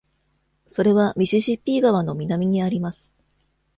それはミシシッピー川の南にあります。